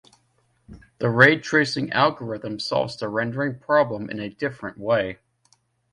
The ray tracing algorithm solves the rendering problem in a different way.